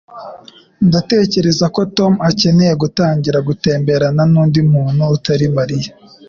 Ndatekereza ko Tom akeneye gutangira gutemberana nundi muntu utari Mariya.